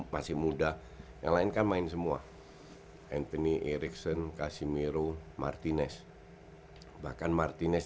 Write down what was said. masih muda yang lain kan main semua anthony ericsson casimiro martinez bahkan martinez